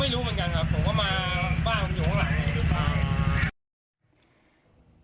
ไม่รู้เหมือนกันครับผมก็มาบ้านผมอยู่ข้างหลังหรือเปล่า